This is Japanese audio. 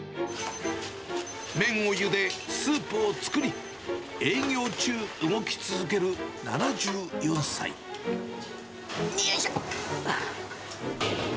麺をゆで、スープを作り、営業中、よいしょ。